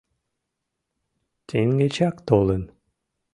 Теҥгечак толын.